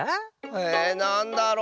えなんだろう。